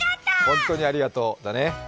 本当にありがとうだね。